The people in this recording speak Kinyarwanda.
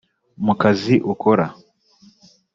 mu kazi ukora